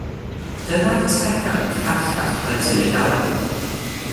Dyna'r tegan calla all plentyn ei gael.